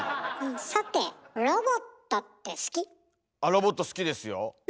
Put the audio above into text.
さてロボット好きですよ。